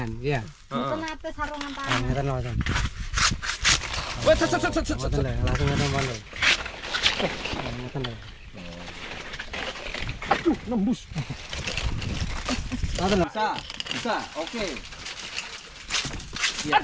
yang mencapai tangan bidik bagiarianshaha